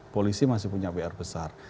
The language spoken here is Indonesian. polisi masih punya pr besar